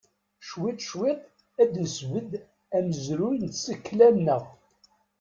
Cwiṭ cwiṭ, ad nesbedd amezruy n tsekla-nneɣ.